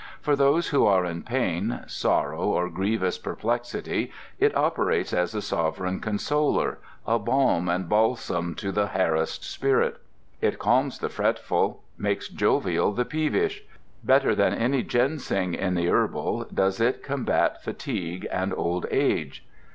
For those who are in pain, sorrow, or grievous perplexity it operates as a sovereign consoler, a balm and balsam to the harassed spirit; it calms the fretful, makes jovial the peevish. Better than any ginseng in the herbal, does it combat fatigue and old age.